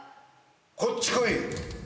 ・こっち来いよ。